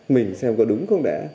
mình xem có đúng không đã